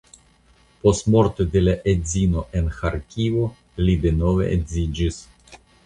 Post morto de la edzino en Ĥarkivo li denove edziĝis.